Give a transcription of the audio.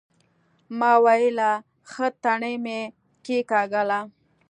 ما ويلې ښه تڼۍ مې کېکاږله.